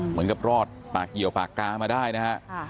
เหมือนกับรอดปากเกี่ยวปากกามาได้นะฮะ